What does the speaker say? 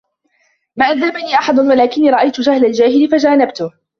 مَا أَدَّبَنِي أَحَدٌ وَلَكِنِّي رَأَيْتُ جَهْلَ الْجَاهِلِ فَجَانَبْتُهُ